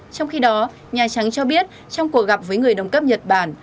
trong khi đó nhà trắng cho biết trong cuộc gặp với người đồng cấp nhật bản